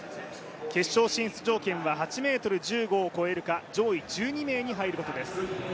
決勝進出条件は８ｍ１５を超えるか上位１２名に入ることです。